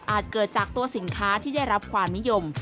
เกิดจากตัวสินค้าที่ได้รับความนิยม